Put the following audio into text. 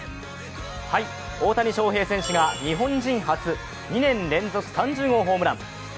大谷翔平選手が日本人初２年連続３０号ホームラン。